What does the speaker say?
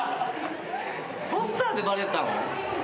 ポスターでバレたの？